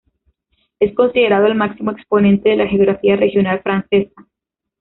Es considerado el máximo exponente de la geografía regional francesa.